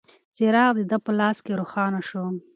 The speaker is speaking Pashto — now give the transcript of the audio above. څراغ د ده په لاس روښانه شو.